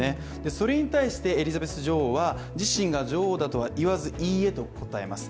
それに対して、エリザベス女王は自身が女王だとは言わず「いいえ」と答えます。